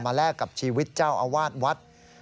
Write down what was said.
แลกกับชีวิตเจ้าอาวาสวัด